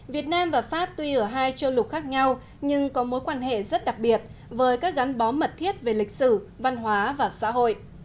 việt nam và pháp tuy ở hai châu lục khác nhau nhưng có mối quan hệ rất đặc biệt với các gắn bó mật thiết về lịch sử văn hóa và xã hội